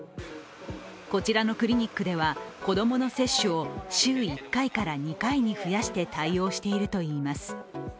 こちらのクリニックでは、子供の接種を週１回から２回に増やして対応しているといいます。